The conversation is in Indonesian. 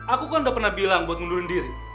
aku kan udah pernah bilang buat mundurin diri